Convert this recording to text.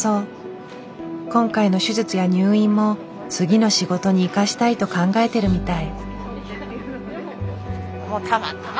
今回の手術や入院も次の仕事に生かしたいと考えてるみたい。